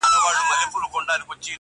ناز دي کمه سوله دي کم جنګ دي کم؛